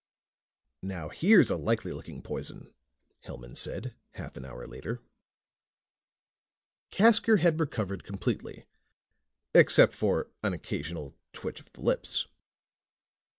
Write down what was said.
"Now here's a likely looking poison," Hellman said, half an hour later. Casker had recovered completely, except for an occasional twitch of the lips.